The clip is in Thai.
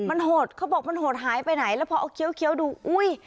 มันโหดเขาบอกมันหดหายไปไหนแล้วพอเอาเคี้ยวดูอุ้ย